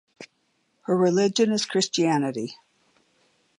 Her religion is Christianity.